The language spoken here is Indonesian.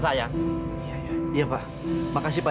sayang iya pak makasih pak